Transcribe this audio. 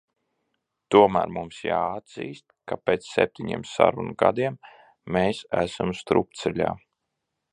Tomēr mums jāatzīst, ka pēc septiņiem sarunu gadiem mēs esam strupceļā.